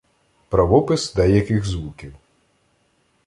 Правопис деяких звуків